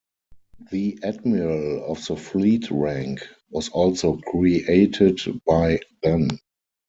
The Admiral of the Fleet rank was also created by then.